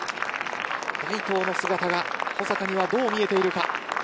大東の姿が保坂にはどう見えているか。